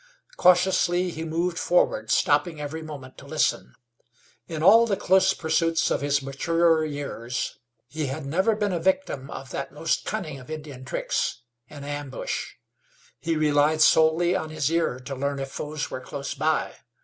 Cautiously he moved forward, stopping every moment to listen. In all the close pursuits of his maturer years he had never been a victim of that most cunning of Indian tricks, an ambush. He relied solely on his ear to learn if foes were close by.